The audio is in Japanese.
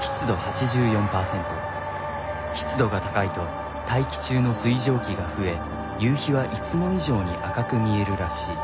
湿度が高いと大気中の水蒸気が増え夕日はいつも以上に赤く見えるらしい。